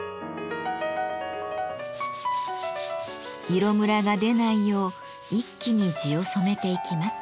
色むらが出ないよう一気に地を染めていきます。